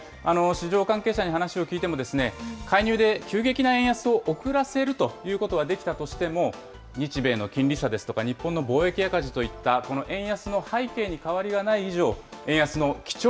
市場関係者に話を聞いても、介入で急激な円安を遅らせるということはできたとしても、日米の金利差ですとか、日本の貿易赤字といったこの円安の背景に変わりがない以上、円安の基調